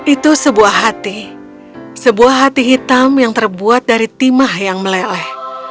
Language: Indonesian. itu sebuah hati sebuah hati hitam yang terbuat dari timah yang meleleh